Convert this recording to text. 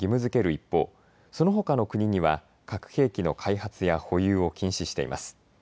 一方そのほかの国には核兵器の開発や保有を禁止しています。